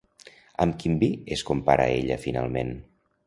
Amb quin vi es compara ella finalment?